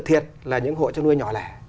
thiệt là những hội cho nuôi nhỏ lẻ